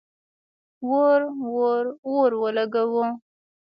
اور، اور، اور ولګوو